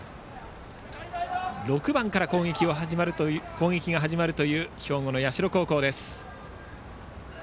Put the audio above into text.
６番から攻撃が始まるという兵庫の社高校。